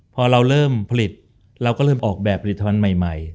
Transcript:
พอเราเริ่มผลิตเราก็เริ่มออกแบบผลิตภัณฑ์ใหม่